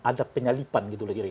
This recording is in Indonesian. ada penyalipan gitu lagi